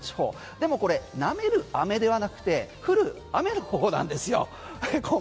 でもこれ舐めるアメではなくて降る雨のほうなんですよ。